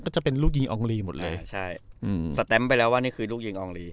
ก็จะเป็นลูกยิงอองลีหมดเลยใช่อืมสแตมไปแล้วว่านี่คือลูกยิงอองลี